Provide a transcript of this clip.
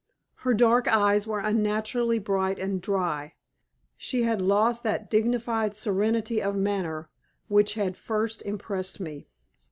Her dark eyes were unnaturally bright and dry. She had lost that dignified serenity of manner which had first impressed me.